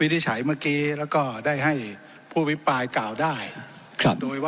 ประชาชนที่ได้ยินเนี่ยนะครับ